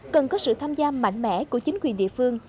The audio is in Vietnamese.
cần có sự tham gia mạnh mẽ của chính quyền địa phương